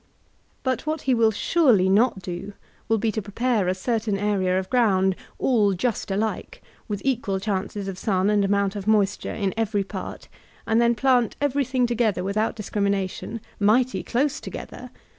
But what he will surely not do, will be to prepare a cer tain area of ground all just alike, with equal chances of sun and amount of moisture in every part, and then plant everything together without discrimination, — mighty dose together!